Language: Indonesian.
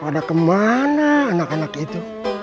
ada kemana anak anak itu